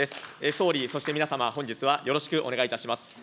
総理、そして皆様、本日はよろしくお願いいたします。